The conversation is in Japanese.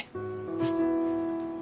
うん。